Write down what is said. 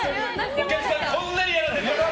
お客さん、こんなにやらせて。